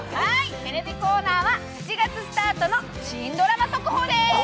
テレビコーナーは７月スタートの芯ドラマ速報です。